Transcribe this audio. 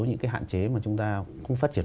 những cái hạn chế mà chúng ta không phát triển